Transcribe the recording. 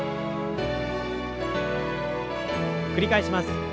繰り返します。